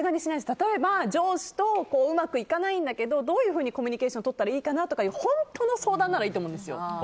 例えば上司とうまくいかないんだけどどういうふうにコミュニケーションとったらいいかなとか本当の相談ならいいと思うんですよ。